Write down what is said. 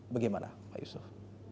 bagaimana pak yusuf